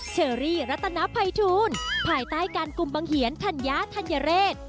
เชอรี่รัตนภัยทูลภายใต้การกลุ่มบังเหียนธัญญาธัญเรศ